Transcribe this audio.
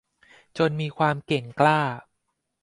จนมีความเก่งกล้า